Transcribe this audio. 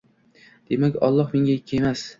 «Demak, Alloh menga ikki emas